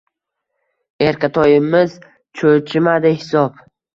Erkatoyimiz cho`chimadi hisob